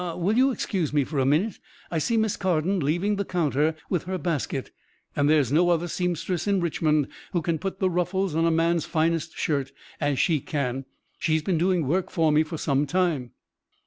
Ah, will you excuse me for a minute! I see Miss Carden leaving the counter with her basket, and there is no other seamstress in Richmond who can put the ruffles on a man's finest shirt as she can. She's been doing work for me for some time."